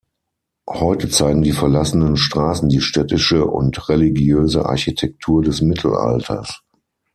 Heute zeigen die verlassenen Straßen die städtische und religiöse Architektur des Mittelalters.